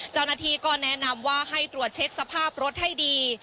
เจ้าหน้าที่ก็แนะนำว่าให้ตรวจเช็คสภาพรถให้ดี